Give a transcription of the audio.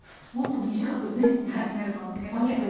もっと短くね時短になるかもしれません。